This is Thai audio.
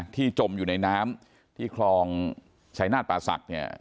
ที่จมอยู่ในน้ำที่คลองชายนาฏปาศักดิ์